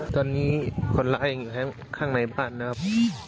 ตอนนี้คนร้ายอยู่ข้างในบ้านนะครับ